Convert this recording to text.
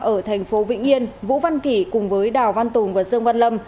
ở thành phố vĩnh yên vũ văn kỳ cùng với đào văn tùng và dương văn lâm